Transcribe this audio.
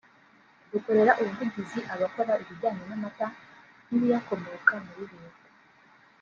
dukorera ubuvugizi abakora ibijyanye n’amata n’ibiyakomoka muri Leta